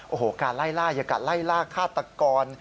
โอ้โหการไล่ล่าอย่ากัดไล่ล่าฆาตกร